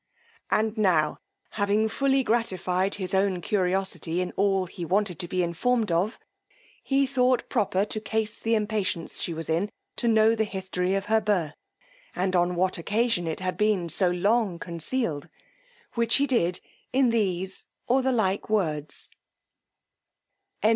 And now having fully gratified his own curiosity in all he wanted to be informed of, he thought proper to case the impatience she was in to know the history of her birth, and on what occasion it had been so long concealed, which he did in these or the like words: CHAP.